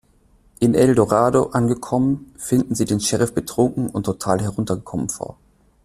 In El Dorado angekommen, finden sie den Sheriff betrunken und total heruntergekommen vor.